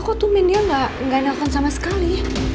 kok tuh men dia gak telepon sama sekali